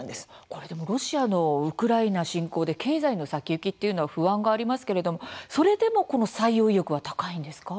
これでもロシアのウクライナ侵攻で経済の先行きっていうのは不安がありますけれどもそれでも、この採用意欲は高いんですか？